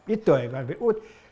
ít tuổi và về út